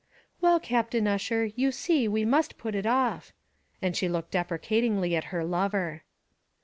"Well, Captain Ussher, you see we must put it off," and she looked deprecatingly at her lover.